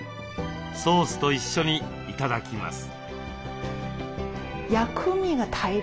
ソースと一緒に頂きます。